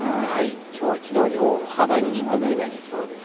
きょうはきのうより大幅に低くなりそうですね。